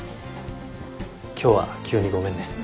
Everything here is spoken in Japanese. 今日は急にごめんね。